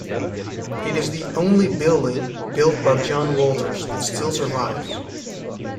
It is the only building built by John Walters that still survives.